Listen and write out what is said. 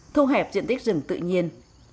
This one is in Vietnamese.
thu hẹp diện tích rừng tự nhiên